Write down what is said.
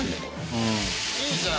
うん。